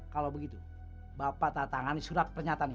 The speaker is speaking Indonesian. kalau begitu bapak tak tangani surat pernyataan ini